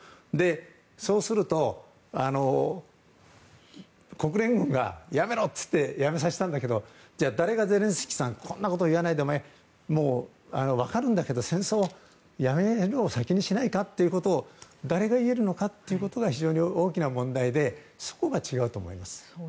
そうすると、国連軍がやめろと言ってやめさせたんだけどゼレンスキーさんこんなこと言わないでお前、分かるんだけど戦争をやめるのを先にしないかということを誰が言えるのかということが非常に大きな問題でそこが違うと思います。